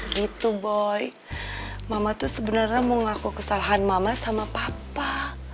gitu boy mama tuh sebenarnya mau ngaku kesalahan mama sama papa